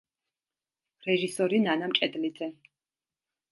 რეჟისორი ნანა მჭედლიძე.